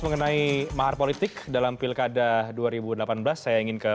pertama sekali saya ingin